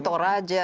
itu belum toraja